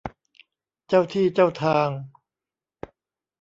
เจ้าที่เจ้าทาง